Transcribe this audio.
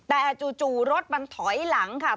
แต่จู่รถมันถอยหลังค่ะ